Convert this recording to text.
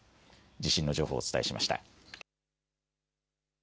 地震の情報、お伝えしました。